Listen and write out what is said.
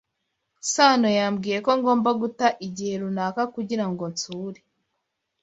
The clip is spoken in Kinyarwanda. Sanoyambwiye ko ngomba guta igihe runaka kugira ngo nsure.